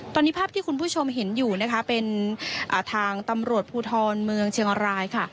ตอนนี้ภาพที่คุณผู้ชมเห็นอยู่นะคะเป็นทางตำรวจภูทรเมืองเชียงรายค่ะ